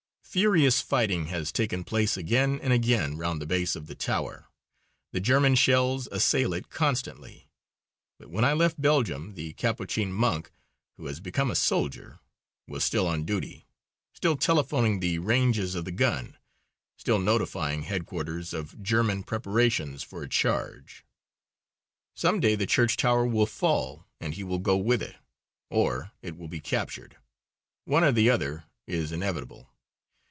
Furious fighting has taken place again and again round the base of the tower. The German shells assail it constantly. But when I left Belgium the Capuchin monk, who has become a soldier, was still on duty; still telephoning the ranges of the gun; still notifying headquarters of German preparations for a charge. Some day the church tower will fall and he will go with it, or it will be captured; one or the other is inevitable.